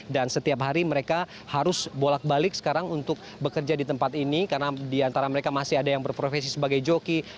dan setiap hari mereka harus bolak balik sekarang untuk bekerja di tempat ini karena di antara mereka masih ada yang berprofesi sebagai joki